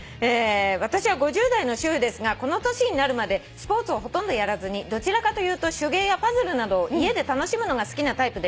「私は５０代の主婦ですがこの年になるまでスポーツをほとんどやらずにどちらかというと手芸やパズルなどを家で楽しむのが好きなタイプでした」